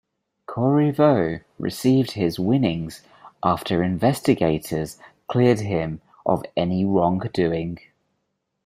Corriveau received his winnings after investigators cleared him of any wrongdoing.